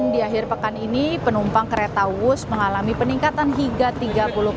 di akhir pekan ini penumpang kereta wus mengalami peningkatan hingga tiga puluh persen